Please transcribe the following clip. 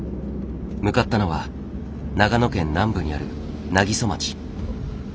向かったのは長野県南部にある南木曽町。